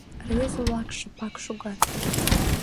Рвезе-влак шыпак шогат.